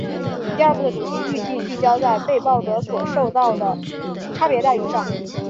第二部的主题预计聚焦在被爆者所受到的差别待遇上。